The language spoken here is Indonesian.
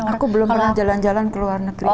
aku belum pernah jalan jalan ke luar negeri